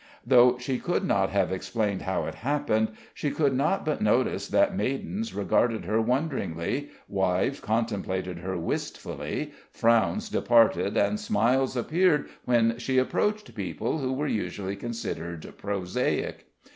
Though she could not have explained how it happened, she could not but notice that maidens regarded her wonderingly, wives contemplated her wistfully, frowns departed and smiles appeared when she approached people who were usually considered prosaic.